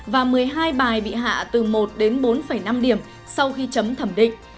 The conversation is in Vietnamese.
và một mươi hai bài bị hạ từ một đến bốn năm điểm sau khi chấm thẩm định